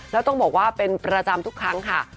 แล้วต้องบอกว่าเป็นประจำทุกครั้งค่ะ